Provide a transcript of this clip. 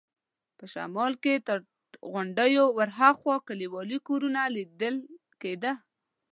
په شمال کې تر غونډیو ورهاخوا کلیوالي کورونه لیدل کېده.